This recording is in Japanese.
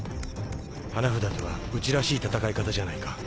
花札とはうちらしい戦い方じゃないか。